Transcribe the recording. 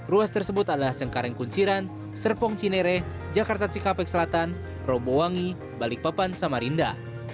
ruas tersebut adalah cengkareng kunciran serpong cinere jakarta cikampek selatan robowangi balikpapan samarinda